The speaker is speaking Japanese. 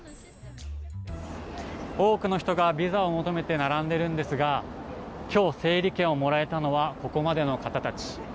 多くの人がビザを求めて並んでいるんですが今日、整理券をもらえたのはここまでの方たち。